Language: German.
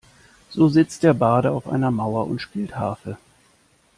So sitzt der Barde auf einer Mauer und spielt Harfe.